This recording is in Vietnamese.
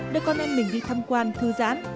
đưa con em mình đi tham quan thư giãn